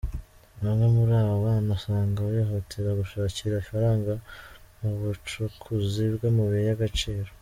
Bamwe muri aba bana usanga bihutira gushakira ifaranga mu bucukuzi bw’amabuye y’agaciro.